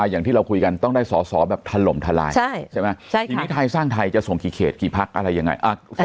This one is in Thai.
อย่างที่เราคุยกันต้องได้สอสอแบบถล่มทลายใช่ไหมทีนี้ไทยสร้างไทยจะส่งกี่เขตกี่พักอะไรยังไง